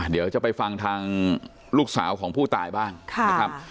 เดี๋ยวจะไปฟังทางลูกสาวของผู้ตายบ้างนะครับ